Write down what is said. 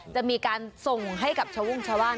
จะมีการส่งให้กับชาวมุ่งชาวบ้าน